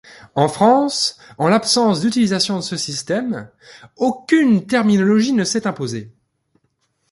En France, en l'absence d'utilisation de ce système, aucune terminologie ne s'est imposée.